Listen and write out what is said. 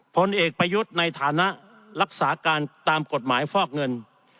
ผลเอกประยุทธ์ในฐานะรักษาการตามกฎหมายฟอกเงิน